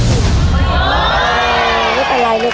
โอ๊ยโอ๊ยโอ๊ย